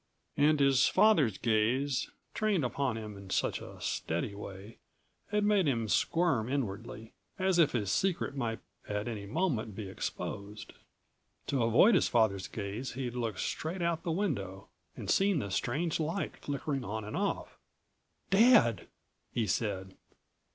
And his father's gaze, trained upon him in such a steady way, had made him squirm inwardly, as if his secret might at any moment be exposed. To avoid his father's gaze he'd looked straight out the window and seen the strange light flickering on and off. "Dad!" he said.